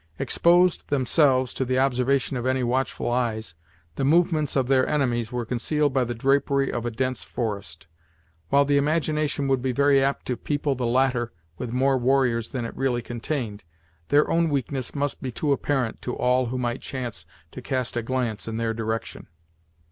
Exposed themselves to the observation of any watchful eyes, the movements of their enemies were concealed by the drapery of a dense forest. While the imagination would be very apt to people the latter with more warriors than it really contained, their own weakness must be too apparent to all who might chance to cast a glance in their direction.